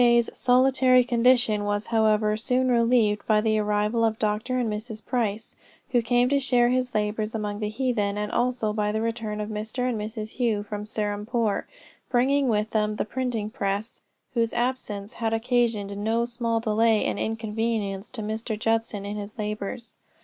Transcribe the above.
's solitary condition was however soon relieved by the arrival of Dr. and Mrs. Price, who came to share his labors among the heathen; and also by the return of Mr. and Mrs. Hough from Serampore, bringing with them the printing press, whose absence had occasioned no small delay and inconvenience to Mr. Judson in his labors.